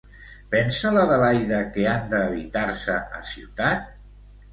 Pensa l'Adelaida que han d'evitar-se a ciutat?